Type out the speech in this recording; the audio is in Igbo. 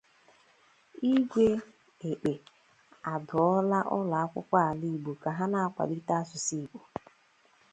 Igwe Ekpe Adụọla Ụlọakwụkwọ Ala Igbo Ka Ha Na-Akwàlite Asụsụ Igbo